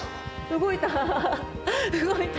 動いた！